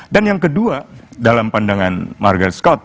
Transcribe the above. dan yang kedua dalam pandangan margaret scott